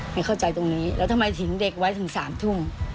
ไม่เข้าใจตรงนี้แล้วทำไมทิ้งเด็กไว้ถึง๓ทุ่ม